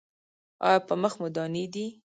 ایا په مخ مو دانې دي؟